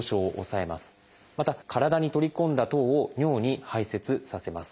また体に取り込んだ糖を尿に排せつさせます。